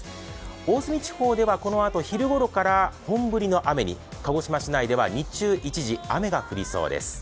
大隅地方ではこのあと昼頃から本降りの雨に、鹿児島市内では日中一時雨が降りそうです。